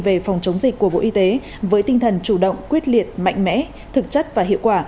về phòng chống dịch của bộ y tế với tinh thần chủ động quyết liệt mạnh mẽ thực chất và hiệu quả